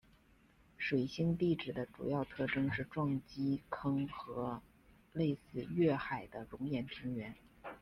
水星地质的主要特征是撞击坑和类似月海的熔岩平原。